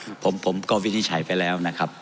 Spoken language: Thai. คือผมก็วินิจฉัยไปแล้วนะครับ